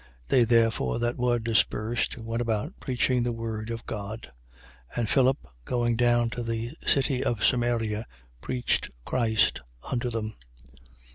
8:4. They therefore that were dispersed went about preaching the word of God. 8:5. And Philip, going down to the city of Samaria, preached Christ unto them.